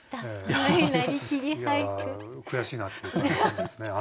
悔しいなっていう感じですね。